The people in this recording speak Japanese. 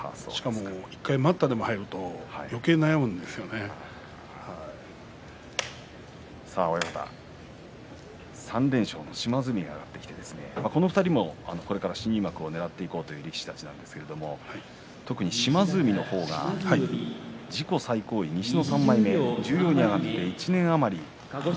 しかも、１回待ったでも入ると３連勝の島津海が上がってきて、この２人もこれから新入幕をねらっていこうという力士たちなんですが特に島津海の方が自己最高位西の３枚目十両に上がって１年余り。